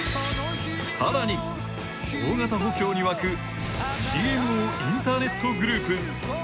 大型補強に沸くＧＭＯインターネットグループ。